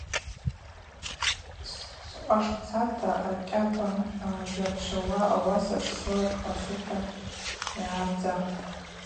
Скъваш уцата, акӏьапа йарчӏвауа уаса псылакӏ ласыта йгӏардза.